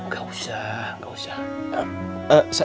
gak usah gak usah